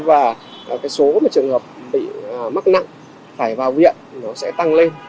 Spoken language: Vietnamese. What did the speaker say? và số trường hợp bị mắc nặng phải vào viện sẽ tăng lên